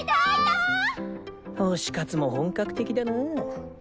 推し活も本格的だなぁ。